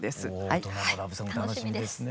大人のラブソング楽しみですね。